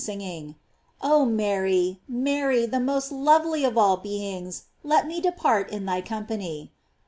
317 singing: Oh Mary, Mary, the most lovely of all beings, let me depart in thy company.